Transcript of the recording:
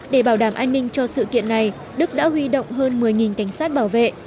để bảo đảm an ninh cho sự kiện này đức đã huy động hơn một mươi cảnh sát bảo vệ